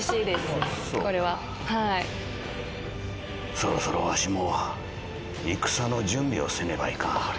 そろそろわしも戦の準備をせねばいかん。